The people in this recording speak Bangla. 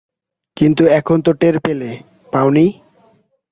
কিন্তু এখন তো টের পেলে, পাওনি?